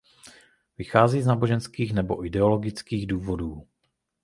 Vychází z náboženských nebo ideologických důvodů.